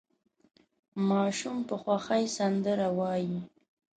ماشوم په خوښۍ سندره وايي.